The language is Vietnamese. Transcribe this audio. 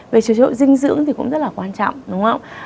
về chế độ dinh dưỡng thì cũng rất là quan trọng đúng không